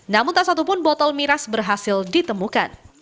namun tak satupun botol miras berhasil ditemukan